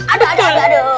aduh aduh aduh